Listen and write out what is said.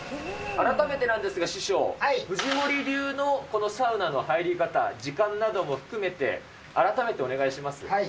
改めてなんですが、師匠、藤森流のこのサウナの入り方、時間なども含めて、改めてお願いします。